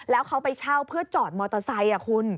แล้วเขาไปเช่าเพื่อจอดมอเตอร์ไซค์คุณ